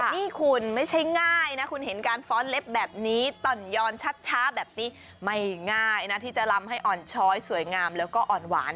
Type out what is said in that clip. นี่คุณไม่ใช่ง่ายนะคุณเห็นการฟ้อนเล็บแบบนี้ต่อนยอนช้าแบบนี้ไม่ง่ายนะที่จะลำให้อ่อนช้อยสวยงามแล้วก็อ่อนหวาน